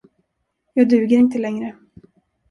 Jag duger inte längre.